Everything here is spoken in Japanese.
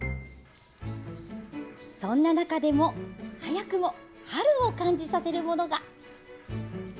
そんな中でも早くも春を感じさせるものが。